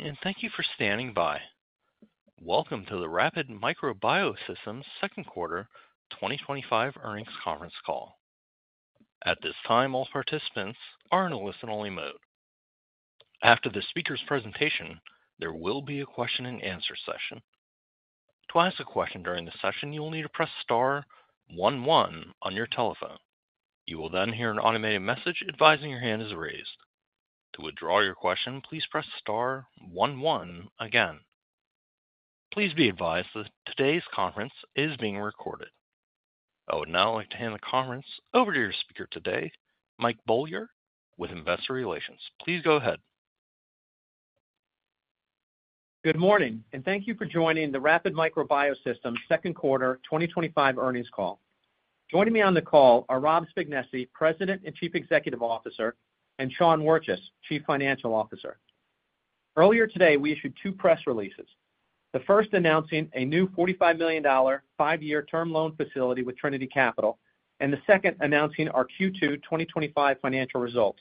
Good day, and thank you for standing by. Welcome to the Rapid Micro Biosystems Second Quarter 2025 Earnings Conference Call. At this time, all participants are in a listen-only mode. After the speaker's presentation, there will be a question and answer session. To ask a question during the session, you will need to press star one one on your telephone. You will then hear an automated message advising your hand is raised. To withdraw your question, please press star one one again. Please be advised that today's conference is being recorded. I would now like to hand the conference over to your speaker today, Mike Beaulieu, with Investor Relations. Please go ahead. Good morning, and thank you for joining the Rapid Micro Biosystems Second Quarter 2025 Earnings Call. Joining me on the call are Rob Spignesi, President and Chief Executive Officer, and Sean Wirtjes, Chief Financial Officer. Earlier today, we issued two press releases, the first announcing a new $45 million five-year term loan facility with Trinity Capital, and the second announcing our Q2 2025 financial results.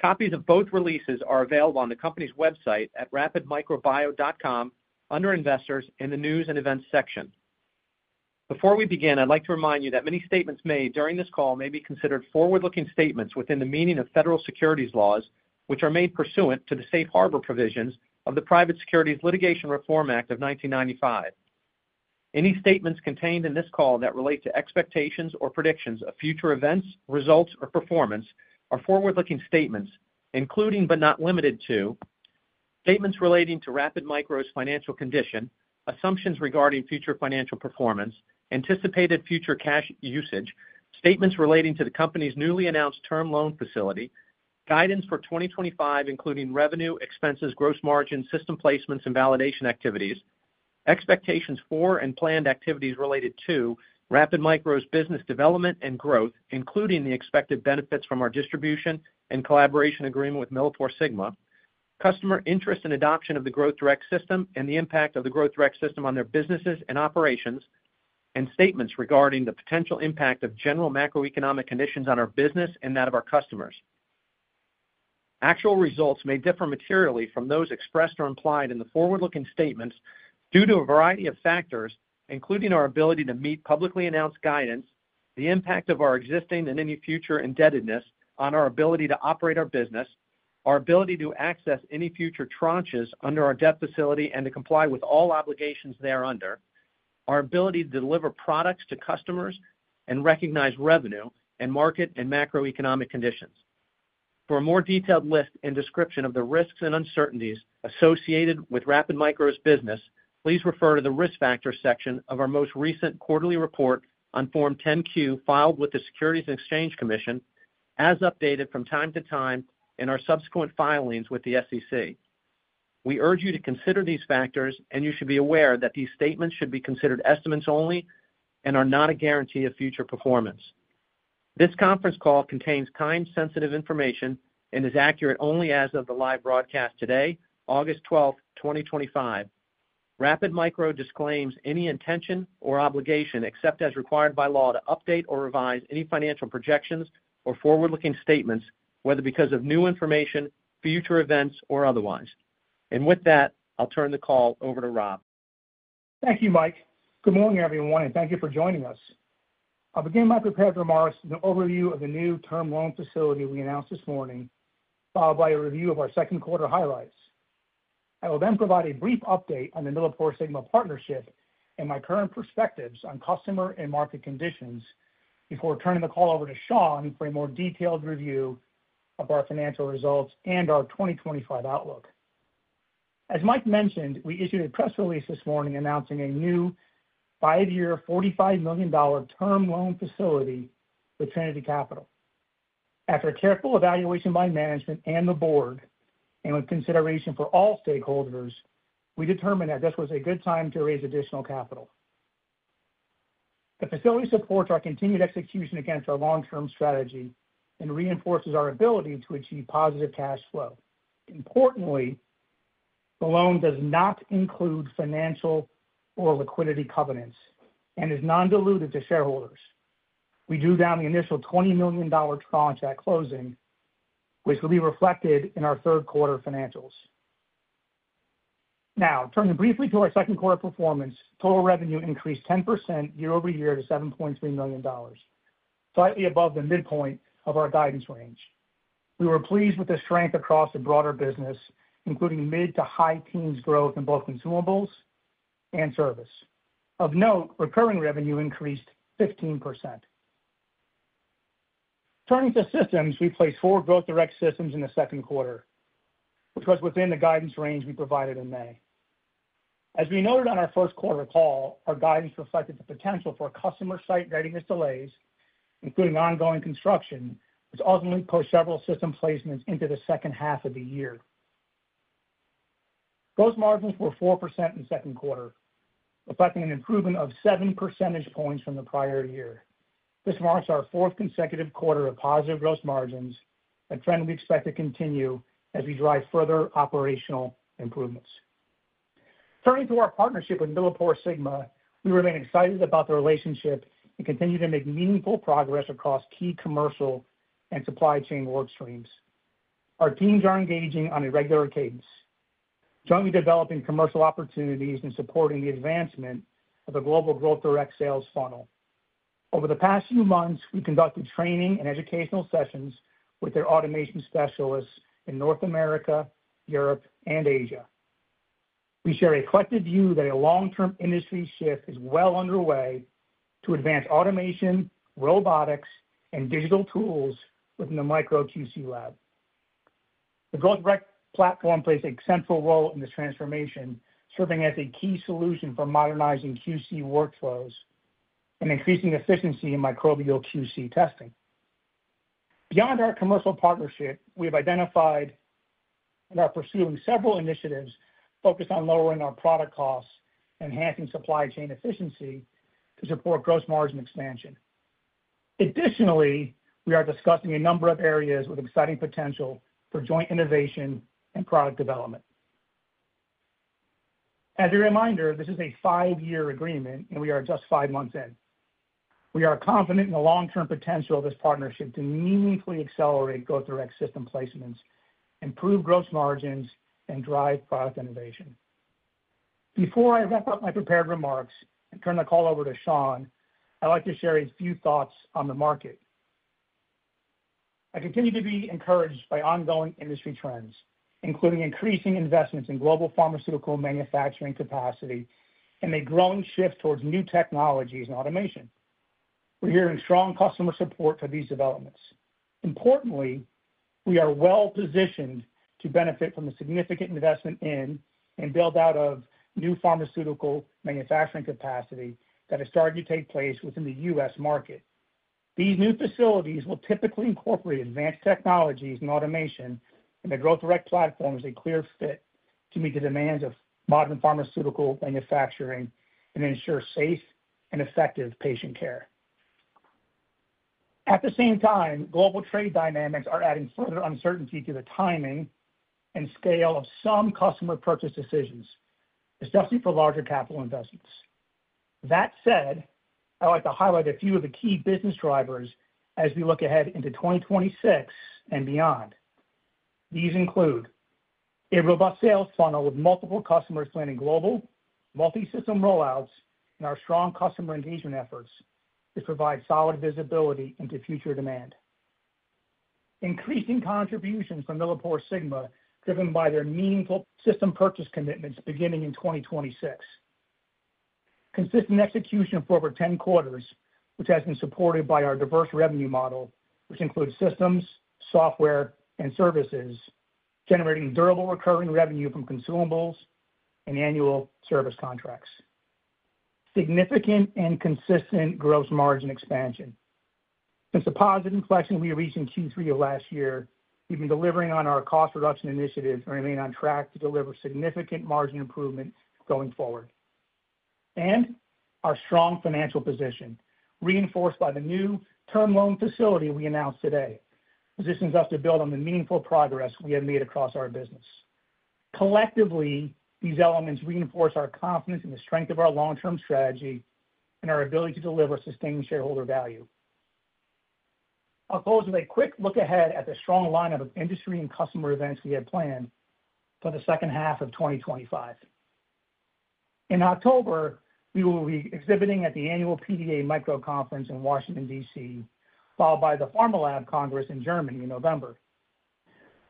Copies of both releases are available on the company's website at rapidmicrobio.com under Investors in the News and Events section. Before we begin, I'd like to remind you that many statements made during this call may be considered forward-looking statements within the meaning of federal securities laws, which are made pursuant to the safe harbor provisions of the Private Securities Litigation Reform Act of 1995. Any statements contained in this call that relate to expectations or predictions of future events, results, or performance are forward-looking statements, including but not limited to statements relating to Rapid Micro's financial condition, assumptions regarding future financial performance, anticipated future cash usage, statements relating to the company's newly announced term loan facility, guidance for 2025, including revenue, expenses, gross margin, system placements, and validation activities, expectations for and planned activities related to Rapid Micro's business development and growth, including the expected benefits from our distribution and collaboration agreement with MilliporeSigma, customer interest in adoption of the Growth Direct system, and the impact of the Growth Direct system on their businesses and operations, and statements regarding the potential impact of general macroeconomic conditions on our business and that of our customers. Actual results may differ materially from those expressed or implied in the forward-looking statements due to a variety of factors, including our ability to meet publicly announced guidance, the impact of our existing and any future indebtedness on our ability to operate our business, our ability to access any future tranches under our debt facility and to comply with all obligations thereunder, our ability to deliver products to customers, and recognize revenue and market and macroeconomic conditions. For a more detailed list and description of the risks and uncertainties associated with Rapid Micro's business, please refer to the risk factors section of our most recent quarterly report on Form 10-Q filed with the Securities and Exchange Commission, as updated from time to time in our subsequent filings with the SEC. We urge you to consider these factors, and you should be aware that these statements should be considered estimates only and are not a guarantee of future performance. This conference call contains time-sensitive information and is accurate only as of the live broadcast today, August 12th, 2025. Rapid Micro disclaims any intention or obligation, except as required by law, to update or revise any financial projections or forward-looking statements, whether because of new information, future events, or otherwise. With that, I'll turn the call over to Rob. Thank you, Mike. Good morning, everyone, and thank you for joining us. I'll begin my prepared remarks with an overview of the new term loan facility we announced this morning, followed by a review of our second quarter highlights. I will then provide a brief update on the MilliporeSigma partnership and my current perspectives on customer and market conditions before turning the call over to Sean for a more detailed review of our financial results and our 2025 outlook. As Mike mentioned, we issued a press release this morning announcing a new five-year, $45 million term loan facility with Trinity Capital. After careful evaluation by management and the board, and with consideration for all stakeholders, we determined that this was a good time to raise additional capital. The facility supports our continued execution against our long-term strategy and reinforces our ability to achieve positive cash flow. Importantly, the loan does not include financial or liquidity covenants and is non-dilutive to shareholders. We drew down the initial $20 million tranche at closing, which will be reflected in our third quarter financials. Now, turning briefly to our second quarter performance, total revenue increased 10% year-over-year to $7.3 million, slightly above the midpoint of our guidance range. We were pleased with the strength across the broader business, including mid to high teens growth in both consumables and service. Of note, recurring revenue increased 15%. Turning to systems, we placed four Growth Direct systems in the second quarter, which was within the guidance range we provided in May. As we noted on our first quarter call, our guidance reflected the potential for customer site readiness delays, including ongoing construction, which ultimately put several system placements into the second half of the year. Gross margins were 4% in the second quarter, reflecting an improvement of seven percentage points from the prior year. This marks our fourth consecutive quarter of positive gross margins and a trend we expect to continue as we drive further operational improvements. Turning to our partnership with MilliporeSigma, we remain excited about the relationship and continue to make meaningful progress across key commercial and supply chain workstreams. Our teams are engaging on a regular cadence, jointly developing commercial opportunities and supporting the advancement of a global Growth Direct sales funnel. Over the past few months, we conducted training and educational sessions with their automation specialists in North America, Europe, and Asia. We share a collective view that a long-term industry shift is well underway to advance automation, robotics, and digital tools within the Micro QC Lab. The Growth Direct platform plays a central role in this transformation, serving as a key solution for modernizing QC workflows and increasing efficiency in microbial QC testing. Beyond our commercial partnership, we have identified and are pursuing several initiatives focused on lowering our product costs and enhancing supply chain efficiency to support gross margin expansion. Additionally, we are discussing a number of areas with exciting potential for joint innovation and product development. As a reminder, this is a five-year agreement, and we are just five months in. We are confident in the long-term potential of this partnership to meaningfully accelerate Growth Direct system placements, improve gross margins, and drive product innovation. Before I wrap up my prepared remarks and turn the call over to Sean, I'd like to share a few thoughts on the market. I continue to be encouraged by ongoing industry trends, including increasing investments in global pharmaceutical manufacturing capacity and a growing shift towards new technologies and automation. We're hearing strong customer support for these developments. Importantly, we are well-positioned to benefit from the significant investment in and build out of new pharmaceutical manufacturing capacity that is starting to take place within the U.S. market. These new facilities will typically incorporate advanced technologies and automation, and the Growth Direct platform is a clear fit to meet the demands of modern pharmaceutical manufacturing and ensure safe and effective patient care. At the same time, global trade dynamics are adding further uncertainty to the timing and scale of some customer purchase decisions, especially for larger capital investments. That said, I'd like to highlight a few of the key business drivers as we look ahead into 2026 and beyond. These include a robust sales funnel with multiple customers planning global, multi-system global rollouts and our strong customer engagement efforts to provide solid visibility into future demand. Increasing contributions from MilliporeSigma, driven by their meaningful system purchase commitments beginning in 2026. Consistent execution for over 10 quarters, which has been supported by our diverse revenue model, which includes systems, software, and services, generating durable recurring revenue from consumables and annual service contracts. Significant and consistent gross margin expansion. Since the positive inflection we reached in Q3 of last year, we've been delivering on our cost reduction initiatives and remain on track to deliver significant margin improvements going forward. Our strong financial position, reinforced by the new term loan facility we announced today, positions us to build on the meaningful progress we have made across our business. Collectively, these elements reinforce our confidence in the strength of our long-term strategy and our ability to deliver sustained shareholder value. I'll close with a quick look ahead at the strong lineup of industry and customer events we have planned for the second half of 2025. In October, we will be exhibiting at the annual PDA Micro Conference in Washington, D.C., followed by the PharmaLab Congress in Germany in November.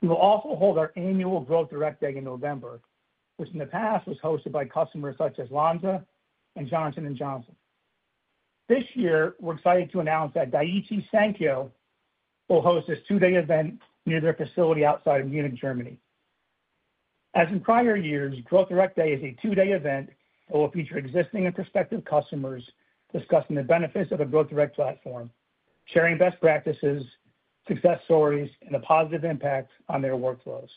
We will also hold our annual Growth Direct Day in November, which in the past was hosted by customers such as Lonza and Johnson & Johnson. This year, we're excited to announce that Daiichi Sankyo will host this two-day event near their facility outside of Munich, Germany. As in prior years, Growth Direct Day is a two-day event that will feature existing and prospective customers discussing the benefits of the Growth Direct platform, sharing best practices, success stories, and the positive impact on their workflows.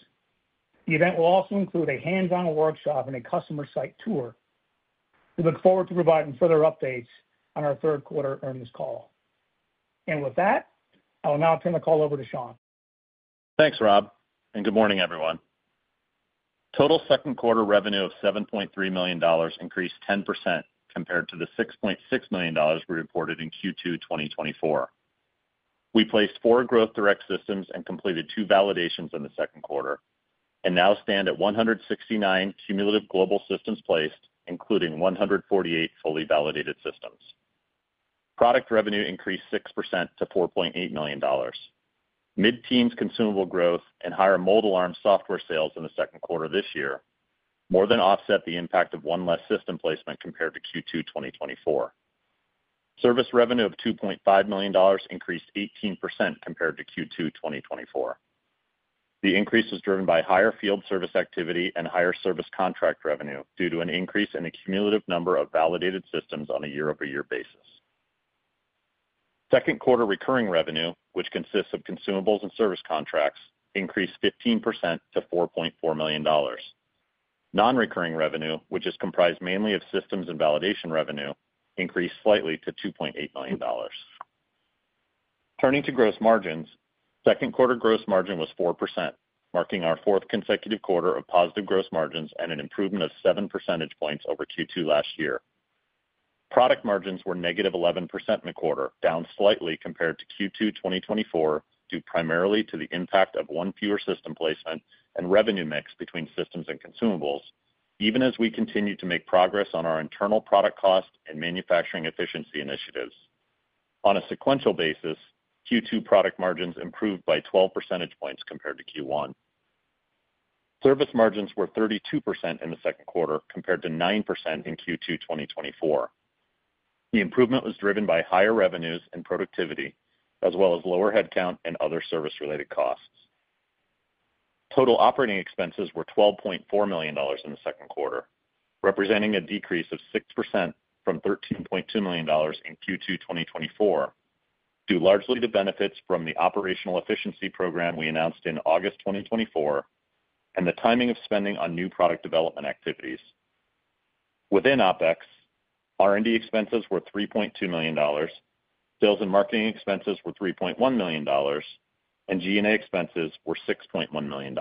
The event will also include a hands-on workshop and a customer site tour. We look forward to providing further updates on our third quarter earnings call. With that, I will now turn the call over to Sean. Thanks, Rob, and good morning, everyone. Total second quarter revenue of $7.3 million increased 10% compared to the $6.6 million we reported in Q2 2024. We placed four Growth Direct systems and completed two validations in the second quarter and now stand at 169 cumulative global systems placed, including 148 fully validated systems. Product revenue increased 6% to $4.8 million. Mid-teens consumable growth and higher mold alarm software sales in the second quarter this year more than offset the impact of one less system placement compared to Q2 2024. Service revenue of $2.5 million increased 18% compared to Q2 2024. The increase was driven by higher field service activity and higher service contract revenue due to an increase in the cumulative number of validated systems on a year-over-year basis. Second quarter recurring revenue, which consists of consumables and service contracts, increased 15% to $4.4 million. Non-recurring revenue, which is comprised mainly of systems and validation revenue, increased slightly to $2.8 million. Turning to gross margins, second quarter gross margin was 4%, marking our fourth consecutive quarter of positive gross margins and an improvement of seven percentage points over Q2 last year. Product margins were negative 11% in the quarter, down slightly compared to Q2 2024, due primarily to the impact of one fewer system placement and revenue mix between systems and consumables, even as we continue to make progress on our internal product cost and manufacturing efficiency initiatives. On a sequential basis, Q2 product margins improved by 12 percentage points compared to Q1. Service margins were 32% in the second quarter compared to 9% in Q2 2024. The improvement was driven by higher revenues and productivity, as well as lower headcount and other service-related costs. Total operating expenses were $12.4 million in the second quarter, representing a decrease of 6% from $13.2 million in Q2 2024, due largely to benefits from the operational efficiency program we announced in August 2024 and the timing of spending on new product development activities. Within OpEx, R&D expenses were $3.2 million, sales and marketing expenses were $3.1 million, and G&A expenses were $6.1 million.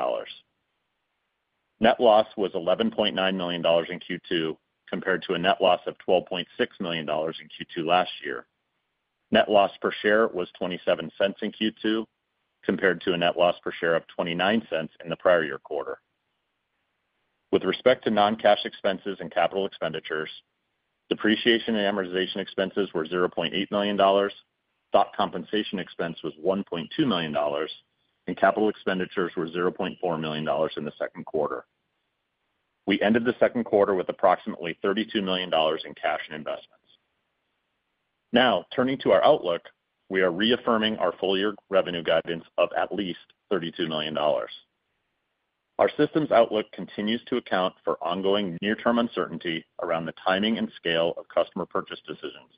Net loss was $11.9 million in Q2 compared to a net loss of $12.6 million in Q2 last year. Net loss per share was $0.27 in Q2 compared to a net loss per share of $0.29 in the prior year quarter. With respect to non-cash expenses and capital expenditures, depreciation and amortization expenses were $0.8 million, stock compensation expense was $1.2 million, and capital expenditures were $0.4 million in the second quarter. We ended the second quarter with approximately $32 million in cash and investments. Now, turning to our outlook, we are reaffirming our full-year revenue guidance of at least $32 million. Our systems outlook continues to account for ongoing near-term uncertainty around the timing and scale of customer purchase decisions,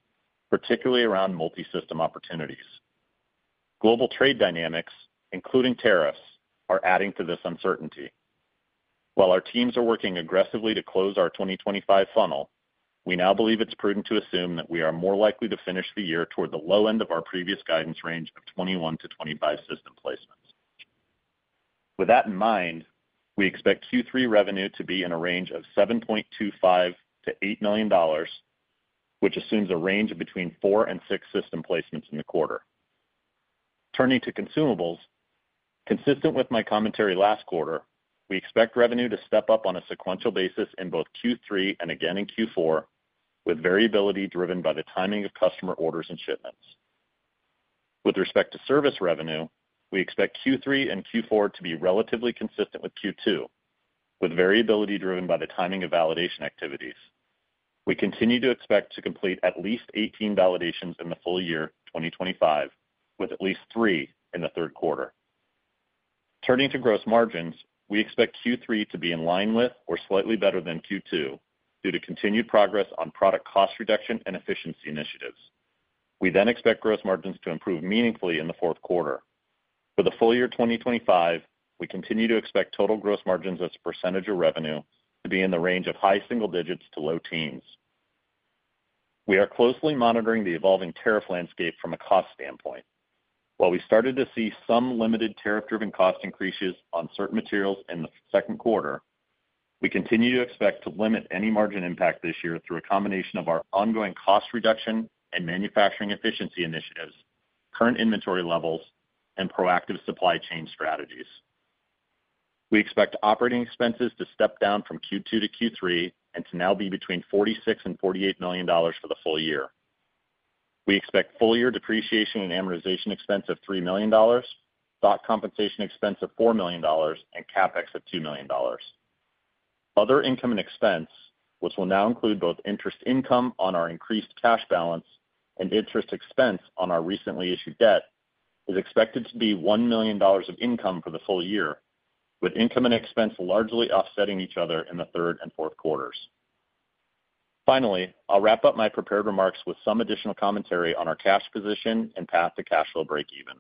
particularly around multi-system opportunities. Global trade dynamics, including tariffs, are adding to this uncertainty. While our teams are working aggressively to close our 2025 funnel, we now believe it's prudent to assume that we are more likely to finish the year toward the low end of our previous guidance range of 21-25 system placements. With that in mind, we expect Q3 revenue to be in a range of $7.25 million-$8 million, which assumes a range of between four and six system placements in the quarter. Turning to consumables, consistent with my commentary last quarter, we expect revenue to step up on a sequential basis in both Q3 and again in Q4, with variability driven by the timing of customer orders and shipments. With respect to service revenue, we expect Q3 and Q4 to be relatively consistent with Q2, with variability driven by the timing of validation activities. We continue to expect to complete at least 18 validations in the full year 2025, with at least three in the third quarter. Turning to gross margins, we expect Q3 to be in line with or slightly better than Q2 due to continued progress on product cost reduction and efficiency initiatives. We then expect gross margins to improve meaningfully in the fourth quarter. For the full year 2025, we continue to expect total gross margins as a percentage of revenue to be in the range of high single digits to low teens. We are closely monitoring the evolving tariff landscape from a cost standpoint. While we started to see some limited tariff-driven cost increases on certain materials in the second quarter, we continue to expect to limit any margin impact this year through a combination of our ongoing cost reduction and manufacturing efficiency initiatives, current inventory levels, and proactive supply chain strategies. We expect operating expenses to step down from Q2 to Q3 and to now be between $46 million and $48 million for the full year. We expect full-year depreciation and amortization expense of $3 million, stock compensation expense of $4 million, and CapEx of $2 million. Other income and expense, which will now include both interest income on our increased cash balance and interest expense on our recently issued debt, is expected to be $1 million of income for the full year, with income and expense largely offsetting each other in the third and fourth quarters. Finally, I'll wrap up my prepared remarks with some additional commentary on our cash position and path to cash flow break-even.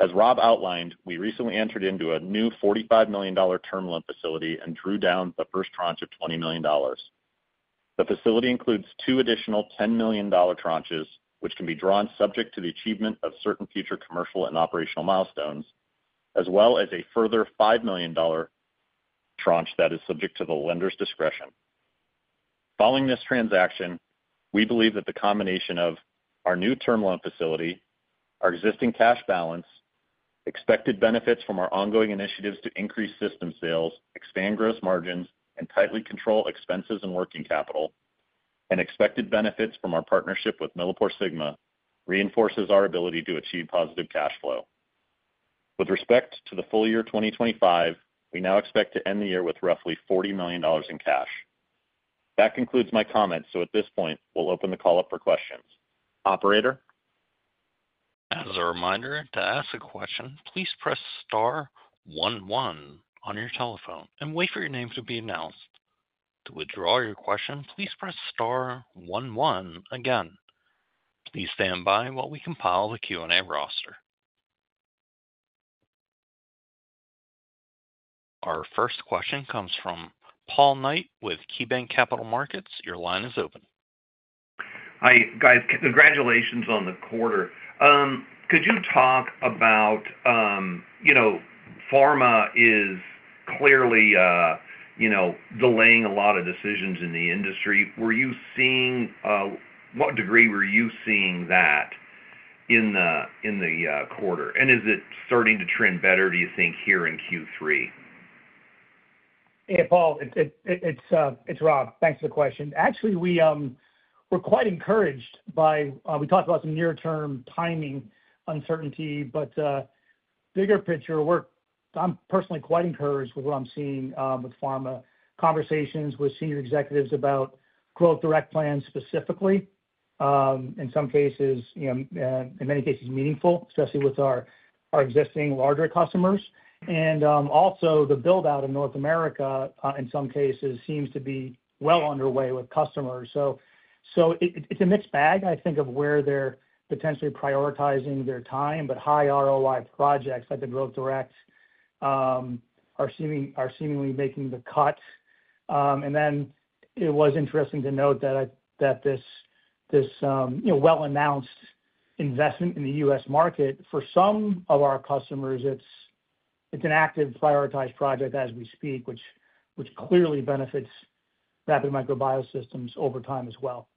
As Rob outlined, we recently entered into a new $45 million term loan facility and drew down the first tranche of $20 million. The facility includes two additional $10 million tranches, which can be drawn subject to the achievement of certain future commercial and operational milestones, as well as a further $5 million tranche that is subject to the lender's discretion. Following this transaction, we believe that the combination of our new term loan facility, our existing cash balance, expected benefits from our ongoing initiatives to increase system sales, expand gross margins, and tightly control expenses and working capital, and expected benefits from our partnership with MilliporeSigma reinforces our ability to achieve positive cash flow. With respect to the full year 2025, we now expect to end the year with roughly $40 million in cash. That concludes my comments, so at this point, we'll open the call up for questions. Operator? As a reminder, to ask a question, please press star one one on your telephone and wait for your name to be announced. To withdraw your question, please press star one one again. Please stand by while we compile the Q&A roster. Our first question comes from Paul Knight with KeyBanc Capital Markets. Your line is open. Hi, guys. Congratulations on the quarter. Could you talk about, you know, pharma is clearly delaying a lot of decisions in the industry. Were you seeing, what degree were you seeing that in the quarter? Is it starting to trend better, do you think, here in Q3? Hey, Paul. It's Rob. Thanks for the question. Actually, we're quite encouraged by, we talked about some near-term timing uncertainty, but the bigger picture, I'm personally quite encouraged with what I'm seeing with pharma, conversations with senior executives about Growth Direct plans specifically. In some cases, you know, in many cases, meaningful, especially with our existing larger customers. Also, the build-out of North America, in some cases, seems to be well underway with customers. It's a mixed bag, I think, of where they're potentially prioritizing their time, but high ROI projects like the Growth Direct are seemingly making the cuts. It was interesting to note that this, you know, well-announced investment in the U.S. market, for some of our customers, it's an active prioritized project as we speak, which clearly benefits Rapid Micro Biosystems over time as well.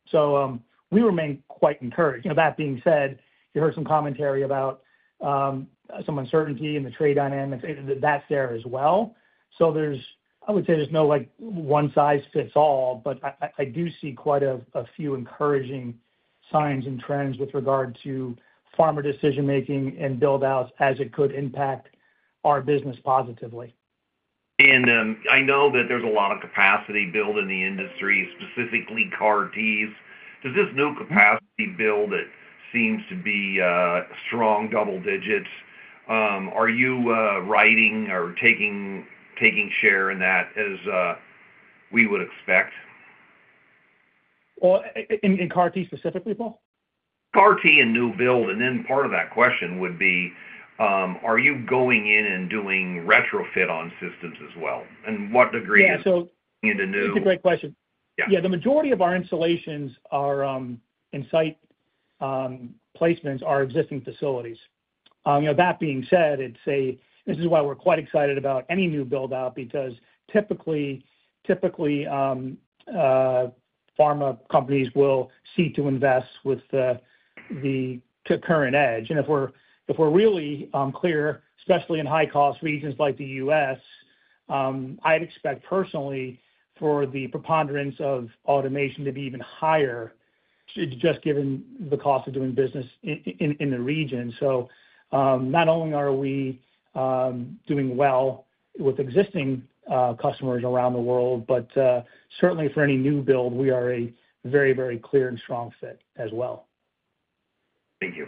We remain quite encouraged. That being said, you heard some commentary about some uncertainty in the trade dynamics. That's there as well. I would say there's no like one size fits all, but I do see quite a few encouraging signs and trends with regard to pharma decision-making and build-outs as it could impact our business positively. I know that there's a lot of capacity built in the industry, specifically CAR-Ts. Does this new capacity build that seems to be strong double digits? Are you riding or taking share in that as we would expect? In CAR-T specifically, Paul? CAR-T and new build. Part of that question would be, are you going in and doing retrofit on systems as well? What degree is into new? Yeah, it's a great question. The majority of our installations and site placements are existing facilities. That being said, I'd say this is why we're quite excited about any new build-out because typically, pharma companies will seek to invest with the current edge. If we're really clear, especially in high-cost regions like the U.S., I'd expect personally for the preponderance of automation to be even higher just given the cost of doing business in the region. Not only are we doing well with existing customers around the world, but certainly for any new build, we are a very, very clear and strong fit as well. Thank you.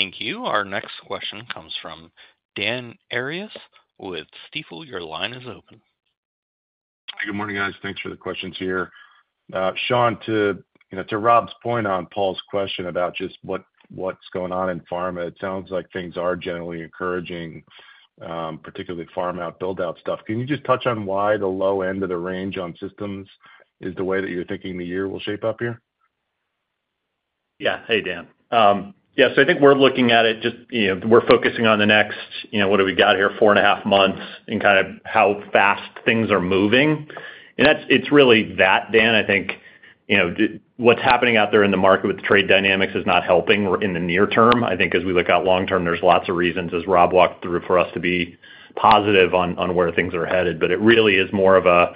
Thank you. Our next question comes from Dan Arias with Stifel. Your line is open. Hi, good morning, guys. Thanks for the questions here. Sean, to Rob's point on Paul's question about just what's going on in pharma, it sounds like things are generally encouraging, particularly pharma build-out stuff. Can you just touch on why the low end of the range on systems is the way that you're thinking the year will shape up here? Yeah. Hey, Dan. I think we're looking at it just, you know, we're focusing on the next, you know, what do we got here, four and a half months, and kind of how fast things are moving. It's really that, Dan. I think what's happening out there in the market with the trade dynamics is not helping in the near term. I think as we look out long term, there's lots of reasons, as Rob walked through, for us to be positive on where things are headed. It really is more of a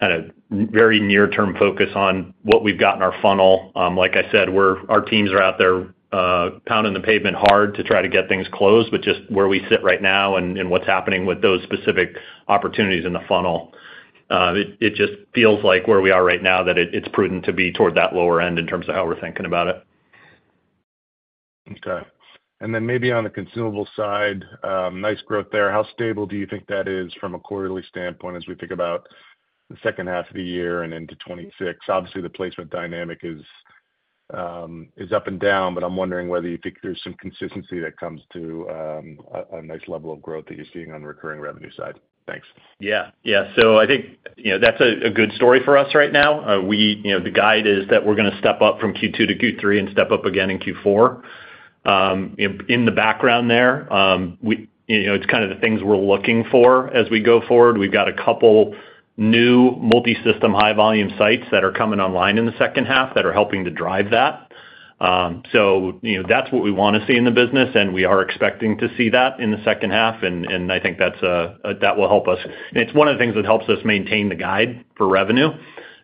kind of very near-term focus on what we've got in our funnel. Like I said, our teams are out there pounding the pavement hard to try to get things closed, but just where we sit right now and what's happening with those specific opportunities in the funnel, it just feels like where we are right now that it's prudent to be toward that lower end in terms of how we're thinking about it. Okay. On the consumable side, nice growth there. How stable do you think that is from a quarterly standpoint as we think about the second half of the year and into 2026? Obviously, the placement dynamic is up and down, but I'm wondering whether you think there's some consistency that comes to a nice level of growth that you're seeing on the recurring revenue side. Thanks. Yeah, yeah. I think that's a good story for us right now. The guide is that we're going to step up from Q2-Q3 and step up again in Q4. In the background there, it's kind of the things we're looking for as we go forward. We've got a couple new multi-system high-volume sites that are coming online in the second half that are helping to drive that. That's what we want to see in the business, and we are expecting to see that in the second half. I think that will help us. It's one of the things that helps us maintain the guide for revenue,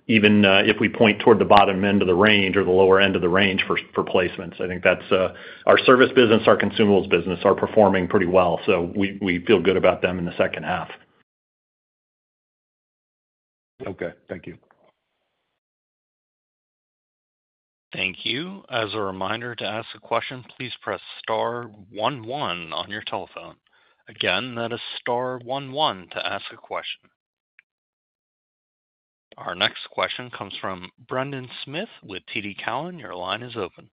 even if we point toward the bottom end of the range or the lower end of the range for placements. I think that's our service business, our consumables business are performing pretty well. We feel good about them in the second half. Okay, thank you. Thank you. As a reminder, to ask a question, please press star one one on your telephone. Again, that is star one one to ask a question. Our next question comes from Brendan Smith with TD Cowen. Your line is open.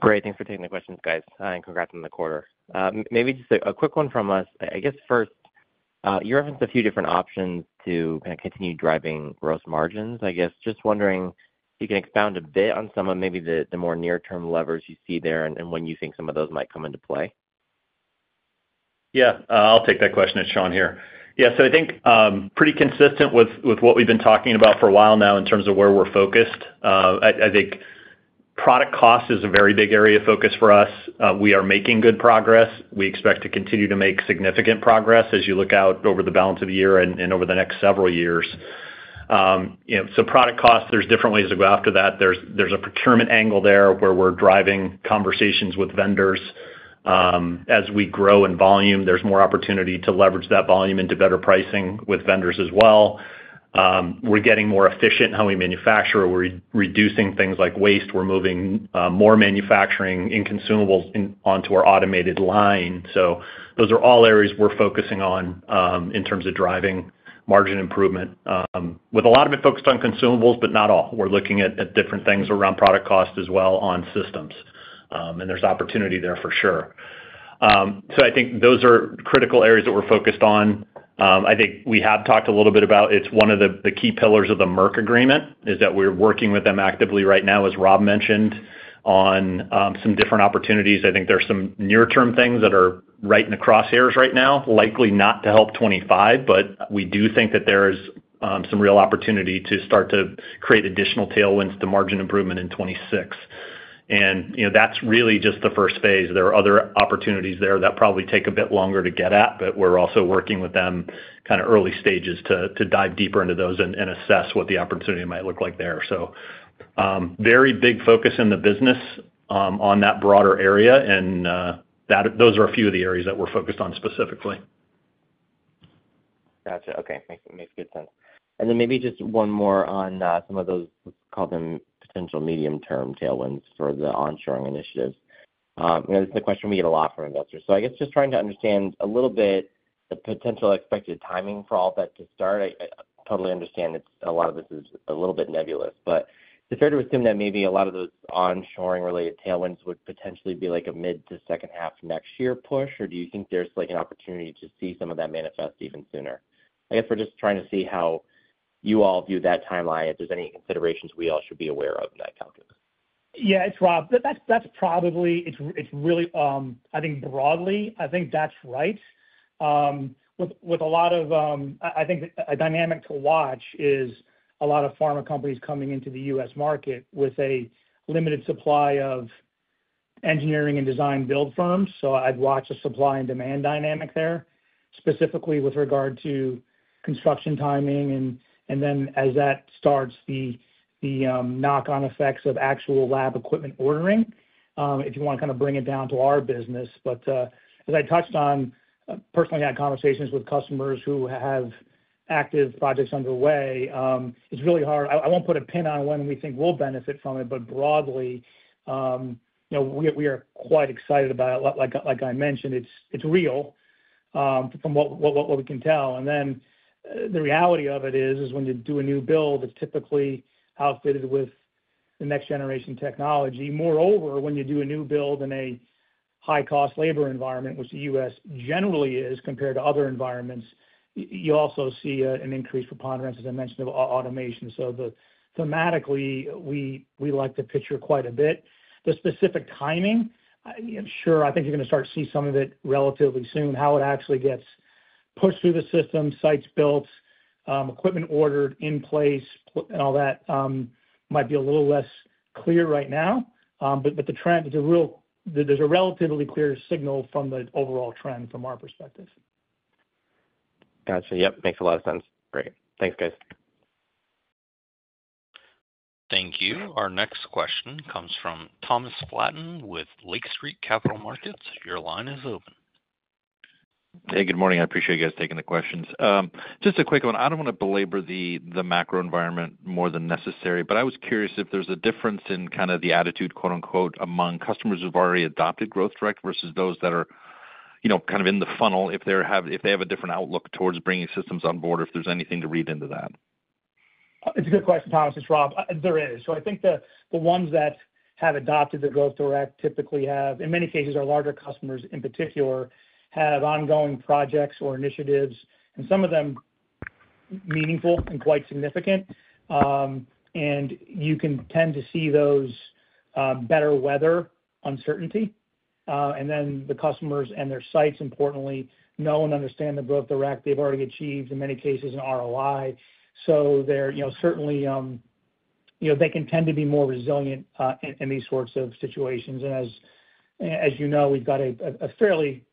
Great. Thanks for taking the questions, guys. Congrats on the quarter. Maybe just a quick one from us. I guess first, you referenced a few different options to kind of continue driving gross margins. I guess just wondering if you can expound a bit on some of maybe the more near-term levers you see there and when you think some of those might come into play. Yeah, I'll take that question to Sean here. I think pretty consistent with what we've been talking about for a while now in terms of where we're focused. I think product cost is a very big area of focus for us. We are making good progress. We expect to continue to make significant progress as you look out over the balance of the year and over the next several years. Product cost, there's different ways to go after that. There's a procurement angle there where we're driving conversations with vendors. As we grow in volume, there's more opportunity to leverage that volume into better pricing with vendors as well. We're getting more efficient in how we manufacture. We're reducing things like waste. We're moving more manufacturing in consumables onto our automated line. Those are all areas we're focusing on in terms of driving margin improvement, with a lot of it focused on consumables, but not all. We're looking at different things around product cost as well on systems, and there's opportunity there for sure. I think those are critical areas that we're focused on. We have talked a little bit about it's one of the key pillars of the Merck agreement is that we're working with them actively right now, as Rob mentioned, on some different opportunities. I think there's some near-term things that are right in the crosshairs right now, likely not to help 2025, but we do think that there is some real opportunity to start to create additional tailwinds to margin improvement in 2026. You know that's really just the first phase. There are other opportunities there that probably take a bit longer to get at, but we're also working with them kind of early stages to dive deeper into those and assess what the opportunity might look like there. Very big focus in the business on that broader area, and those are a few of the areas that we're focused on specifically. Gotcha. Okay. Makes good sense. Maybe just one more on some of those, let's call them potential medium-term tailwinds for the onshoring initiatives. This is a question we get a lot from investors. I guess just trying to understand a little bit the potential expected timing for all of that to start. I totally understand a lot of this is a little bit nebulous, but is it fair to assume that maybe a lot of those onshoring-related tailwinds would potentially be like a mid to second half next year push, or do you think there's like an opportunity to see some of that manifest even sooner? I guess we're just trying to see how you all view that timeline, if there's any considerations we all should be aware of in that calculus. Yeah, it's Rob. That's probably, it's really, I think broadly, I think that's right. A dynamic to watch is a lot of pharma companies coming into the U.S. market with a limited supply of engineering and design build firms. I'd watch a supply and demand dynamic there, specifically with regard to construction timing. As that starts, the knock-on effects of actual lab equipment ordering, if you want to kind of bring it down to our business. As I touched on, personally, I had conversations with customers who have active projects underway. It's really hard. I won't put a pin on when we think we'll benefit from it, but broadly, you know we are quite excited about it. Like I mentioned, it's real from what we can tell. The reality of it is when you do a new build, it's typically outfitted with the next-generation technology. Moreover, when you do a new build in a high-cost labor environment, which the U.S. generally is compared to other environments, you also see an increased preponderance, as I mentioned, of automation. Thematically, we like to picture quite a bit. The specific timing, sure, I think you're going to start to see some of it relatively soon. How it actually gets pushed through the system, sites built, equipment ordered in place, and all that might be a little less clear right now. The trend, there's a relatively clear signal from the overall trend from our perspective. Gotcha. Yep. Makes a lot of sense. Great. Thanks, guys. Thank you. Our next question comes from Thomas Flaten with Lake Street Capital Markets. Your line is open. Hey, good morning. I appreciate you guys taking the questions. Just a quick one. I don't want to belabor the macro environment more than necessary, but I was curious if there's a difference in kind of the attitude, quote-unquote, among customers who've already adopted Growth Direct versus those that are, you know, kind of in the funnel, if they have a different outlook towards bringing systems on board, if there's anything to read into that. It's a good question, Thomas. It's Rob. There is. I think the ones that have adopted the Growth Direct typically have, in many cases, our larger customers in particular, have ongoing projects or initiatives, and some of them meaningful and quite significant. You can tend to see those better weather uncertainty. The customers and their sites, importantly, know and understand the Growth Direct. They've already achieved, in many cases, an ROI. They can tend to be more resilient in these sorts of situations. As you know, we've got a fairly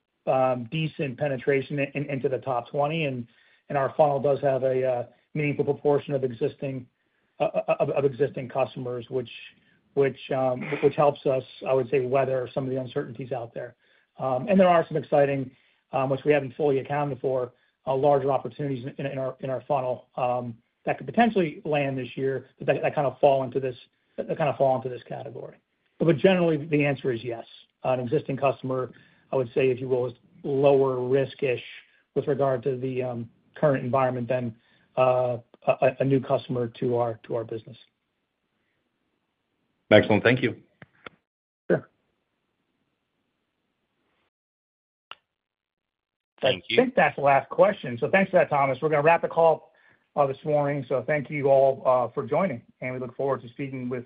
decent penetration into the top 20, and our funnel does have a meaningful proportion of existing customers, which helps us, I would say, weather some of the uncertainties out there. There are some exciting, which we haven't fully accounted for, larger opportunities in our funnel that could potentially land this year, but that kind of fall into this category. Generally, the answer is yes. An existing customer, I would say, if you will, is lower risk-ish with regard to the current environment than a new customer to our business. Excellent. Thank you. Sure.I think that's the last question. Thank you for that, Thomas. We're going to wrap the call this morning. Thank you all for joining, and we look forward to speaking with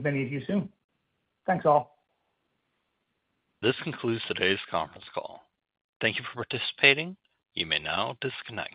many of you soon. Thanks all. This concludes today's conference call. Thank you for participating. You may now disconnect.